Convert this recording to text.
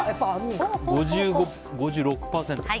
５６％。